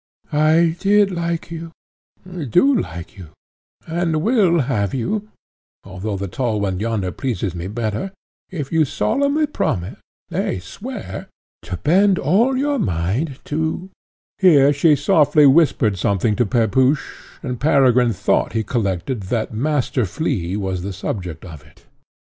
I did like you, do like you, and will have you, although the tall one yonder pleases me better, if you solemnly promise, nay swear, to bend all your mind to " Here she softly whispered something to Pepusch, and Peregrine thought he collected that Master Flea was the subject of it.